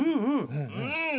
うん！